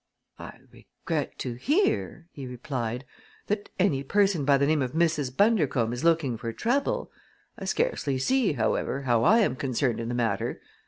"I regret to hear," he replied, "that any person by the name of Mrs. Bundercombe is looking for trouble. I scarcely see, however, how I am concerned in the matter.